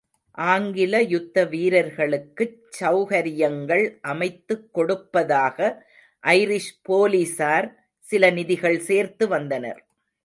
ஆங்கில யுத்த வீரர்களுக்குச் செளகரியங்கள் அமைத்துக் கொடுப்பதாக ஐரிஷ் போலிஸார் சில நிதிகள் சேர்த்து வந்தனர்.